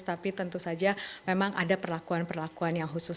tapi tentu saja memang ada perlakuan perlakuan yang khusus